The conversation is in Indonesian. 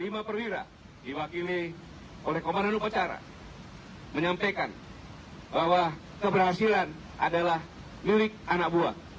menyampaikan bahwa keberhasilan adalah milik anak buah